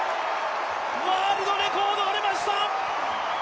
ワールドレコードが出ました！